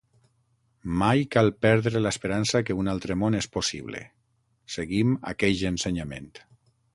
Mai cal perdre l’esperança que un altre món és possible, seguim aqueix ensenyament.